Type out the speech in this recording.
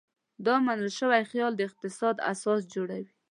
دا منل شوی خیال د اقتصاد اساس جوړوي.